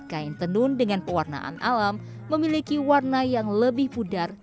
kain tenun dengan pewarnaan alam memiliki warna yang lebih pudar